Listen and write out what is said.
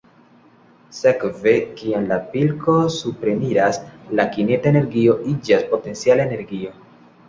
Sekve, kiam la pilko supreniras, la kineta energio iĝas potenciala energio.